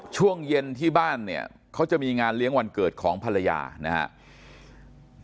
ช่วงเย็นที่บ้านเนี่ยเขาจะมีงานเลี้ยงวันเกิดของภรรยานะครับ